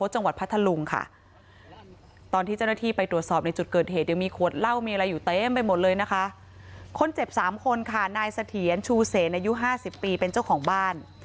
หน้าไสถียันชูเสนอายุห้าสิบปีเป็นเจ้าของบ้าน